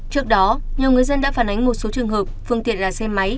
trước đó nhiều người dân đã phản ánh một số trường hợp phương tiện là xe máy